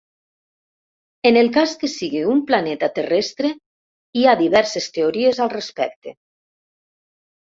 En el cas que sigui un planeta terrestre, hi ha diverses teories al respecte.